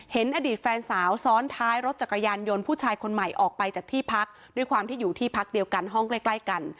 อดีตแฟนสาวซ้อนท้ายรถจักรยานยนต์ผู้ชายคนใหม่ออกไปจากที่พักด้วยความที่อยู่ที่พักเดียวกันห้องใกล้กัน